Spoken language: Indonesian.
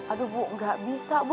aduh bu gak bisa bu